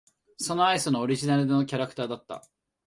そのアイスのオリジナルのキャラクターだった。